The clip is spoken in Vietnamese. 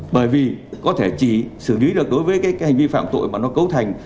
bởi vì có thể chỉ xử lý được đối với cái hành vi phạm tội mà nó cấu thành